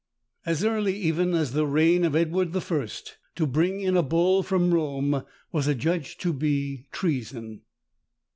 As early even as the reign of Edward I., to bring in a bull from Rome was adjudged to be treason.